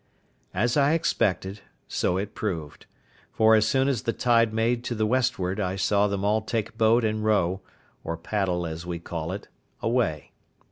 As I expected, so it proved; for as soon as the tide made to the westward I saw them all take boat and row (or paddle as we call it) away.